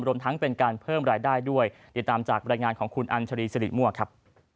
รวมทั้งเป็นการเพิ่มรายได้ด้วยติดตามจากบรรยายงานของคุณอัญชรีสิริมั่วครับ